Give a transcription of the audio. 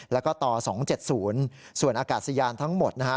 แล้วก็ต่อ๒๗๐ส่วนอากาศยานทั้งหมดนะฮะ